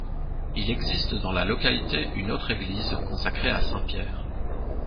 Il existe dans la localité une autre église, consacrée à Saint Pierre.